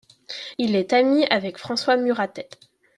Il est ami avec François Muratet.